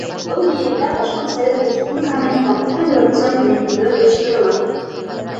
Был йыйында Башҡорт Совет Республикаһының Ваҡытлы революцион комитеты ойошторола.